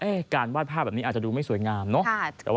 การวาดภาพแบบนี้อาจจะดูไม่สวยงามเนอะ